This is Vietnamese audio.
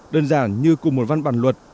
đơn giản như cùng một văn bản luật